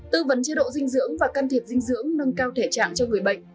tư vấn chế độ dinh dưỡng và can thiệp dinh dưỡng nâng cao thể trạng cho người bệnh